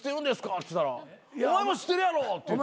っつったらお前も知ってるやろって言って。